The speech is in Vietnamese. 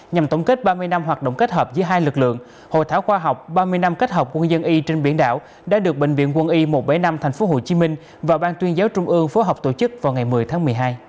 nhằm tổng kết ba mươi năm hoạt động kết hợp giữa hai lực lượng hội thảo khoa học ba mươi năm kết hợp quân dân y trên biển đảo đã được bệnh viện quân y một trăm bảy mươi năm tp hcm và ban tuyên giáo trung ương phối hợp tổ chức vào ngày một mươi tháng một mươi hai